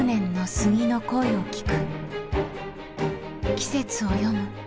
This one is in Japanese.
季節を読む。